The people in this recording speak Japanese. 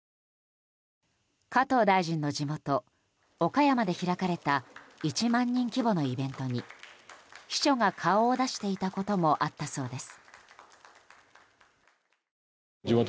加藤大臣の地元・岡山で開かれた１万人規模のイベントに秘書が顔を出していたこともあったそうです。